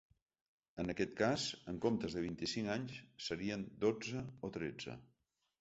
En aquest cas, en comptes de vint-i-cinc anys, serien dotze o tretze.